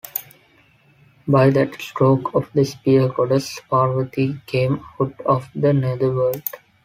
By that stroke of the spear, Goddess Parvati came out of the Nether World.